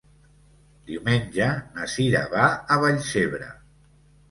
Diumenge na Cira va a Vallcebre.